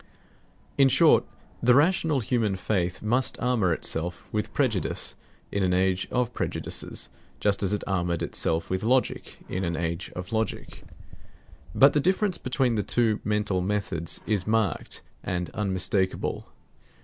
In short, the rational human faith must armor itself with prejudice in an age of prejudices, just as it armoured itself with logic in an age of logic. But the difference between the two mental methods is marked and unmistakable.